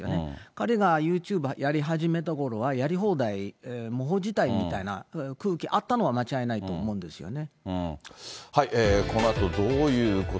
彼がユーチューブやり始めたころは、やり放題、無法地帯みたいな空気あったのは間違いないと思うんですよね。